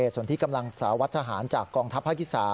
ส่วนที่กำลังสาววัดทหารจากกองทัพ๕๓